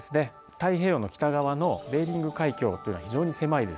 太平洋の北側のベーリング海峡というのは非常に狭いです。